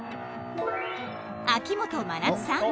秋元真夏さん